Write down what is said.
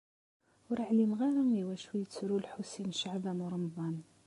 Ur ɛlimeɣ ara i wacu yettru Lḥusin n Caɛban u Ṛemḍan.